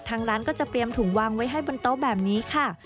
ทางร้านก็จะเตรียมถุงวางไว้ให้บนโต๊ะแบบนี้ค่ะ